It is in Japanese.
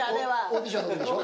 オーディションのときでしょ。